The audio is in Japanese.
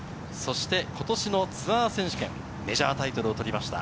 ことしのツアー選手権、メジャータイトルを取りました。